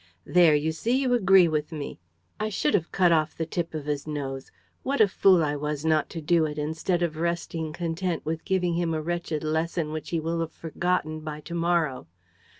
"There, you see, you agree with me! I should have cut off the tip of his nose! What a fool I was not to do it, instead of resting content with giving him a wretched lesson which he will have forgotten by to morrow!